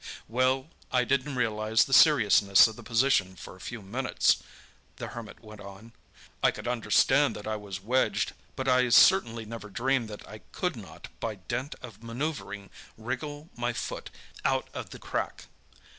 "Well I didn't realize the seriousness of the position for a few minutes," the Hermit went on. "I could understand that I was wedged, but I certainly never dreamed that I could not, by dint of manoeuvring, wriggle my foot out of the crack.